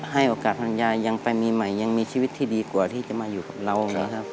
ให้โอกาสทางยายยังไปมีใหม่ยังมีชีวิตที่ดีกว่าที่จะมาอยู่กับเรานะครับ